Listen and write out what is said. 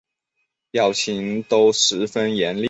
表情都十分严厉